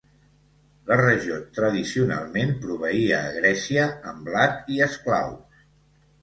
La regió tradicionalment proveïa a Grècia amb blat i esclaus.